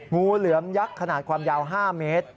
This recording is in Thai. งูเหลือมยักษ์ขนาดความยาว๕เมตร